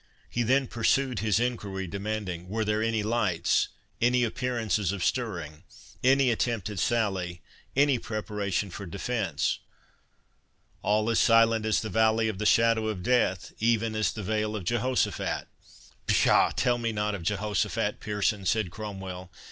He then pursued his enquiry, demanding, "Were there any lights—any appearances of stirring—any attempt at sally—any preparation for defence?" "All as silent as the valley of the shadow of death—Even as the vale of Jehosaphat." "Pshaw! tell me not of Jehosaphat, Pearson," said Cromwell.